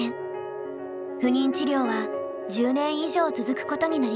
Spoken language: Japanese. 不妊治療は１０年以上続くことになりました。